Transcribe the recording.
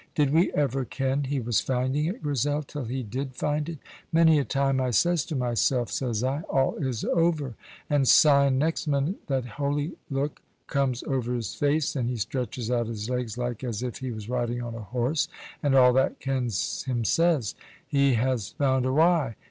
"Did we ever ken he was finding it, Grizel, till he did find it? Many a time I says to mysel', says I, 'All is over,' and syne next minute that holy look comes ower his face, and he stretches out his legs like as if he was riding on a horse, and all that kens him says, 'He has found a wy.'